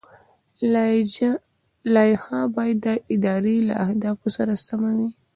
لایحه باید د ادارې له اهدافو سره سمه وي.